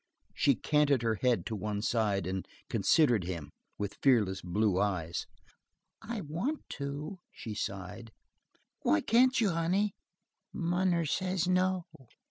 She canted her head to one side and considered him with fearless blue eyes. "I want to," she sighed. "Why can't you, honey?" "Munner says no."